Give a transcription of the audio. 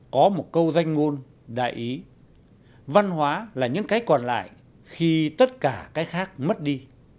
có một câu danh ngôn đại ý văn hóa là những cái còn lại khi tất cả cái khác mất đi